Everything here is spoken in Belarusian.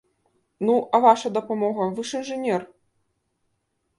Ну, а ваша дапамога, вы ж інжынер?